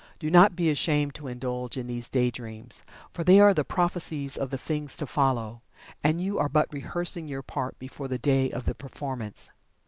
Do not be ashamed to indulge in these day dreams, for they are the prophecies of the things to follow, and you are but rehearsing your part before the day of the performance.